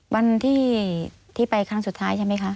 วันที่ไปครั้งสุดท้ายใช่ไหมคะ